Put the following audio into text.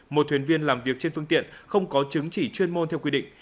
một thuyền viên làm việc trên phương tiện không có chứng chỉ chuyên môn theo quy định